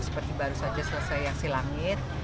seperti baru saja selesai yang silangit